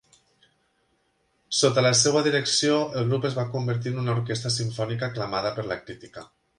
Sota la seva direcció el grup es va convertir en una orquestra simfònica aclamada per la crítica.